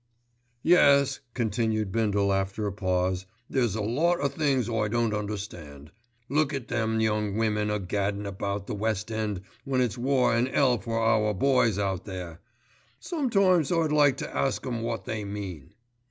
"Yes," continued Bindle after a pause, "there's a lot o' things I don't understand. Look at them young women a gaddin' about the West End when it's war an' 'ell for our boys out there. Sometimes I'd like to ask 'em wot they mean."